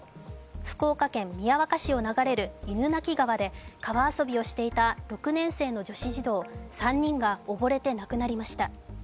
福岡県宮若市を流れる犬鳴川で川遊びをしていた６年生の女子児童３人が溺れて亡くなりました。